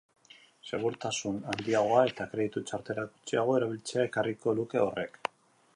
Segurtasun handiagoa eta kreditu txartelak gutxiago erabiltzea ekarriko luke horrek.